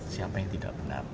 siapa yang tidak benar